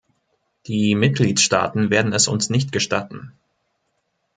Die Mitgliedstaaten werden es uns nicht gestatten.